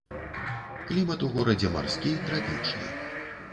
Клімат у горадзе марскі трапічны.